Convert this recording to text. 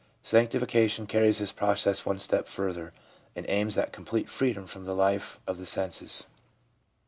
Sanctification carries this process one step further and aims at complete freedom from the life of the senses.